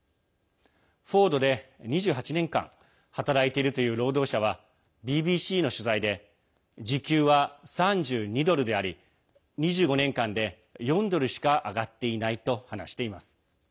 フォードで２８年間働いているという労働者はＢＢＣの取材で時給は３２ドルであり２５年間で、４ドルしか上がっていないと話しています。